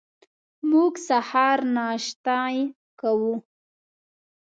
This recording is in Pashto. موږ سهار ناشتې کوو.